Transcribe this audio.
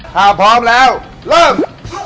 ถ้าพร้อมแล้วเริ่ม